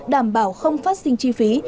đảm bảo không phát sinh chi phí